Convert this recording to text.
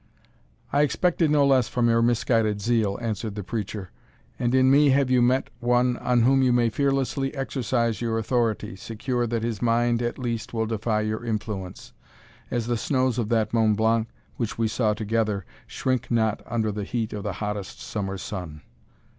"I expected no less from your misguided zeal," answered the preacher; "and in me have you met one on whom you may fearlessly exercise your authority, secure that his mind at least will defy your influence, as the snows of that Mont Blanc which we saw together, shrink not under the heat of the hottest summer sun."